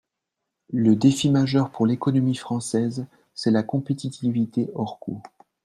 Le défi majeur pour l’économie française, c’est la compétitivité hors coût.